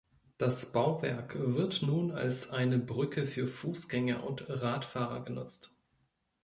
Das Bauwerk wird nun als eine Brücke für Fußgänger und Radfahrer genutzt.